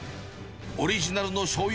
オリジナルのしょうゆ